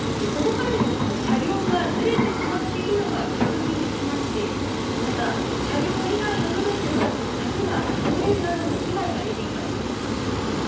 ここからでも車両がずれてしまっているのが確認できますしまた、車両以外の部分でも柵が倒れるなどの被害が出ています。